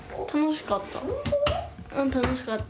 うん楽しかった。